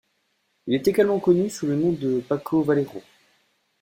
Il est également connu sous le nom Paco Vallejo.